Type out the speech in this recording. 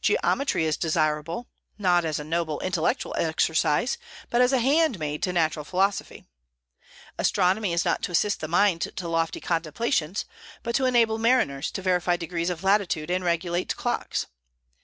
Geometry is desirable, not as a noble intellectual exercise, but as a handmaid to natural philosophy. Astronomy is not to assist the mind to lofty contemplation, but to enable mariners to verify degrees of latitude and regulate clocks.